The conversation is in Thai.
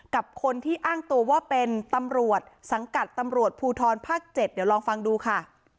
กับคนที่อ้างตัวว่าเป็นตำรวจสังกัดตำรวจภูทรภาค๗เดี๋ยวลองฟังดูค่ะ